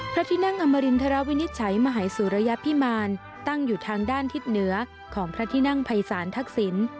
พระที่นั่งอมรินทรวินิจฉัยมหายสุรยพิมารตั้งอยู่ทางด้านทิศเหนือของพระที่นั่งภัยศาลทักษิณ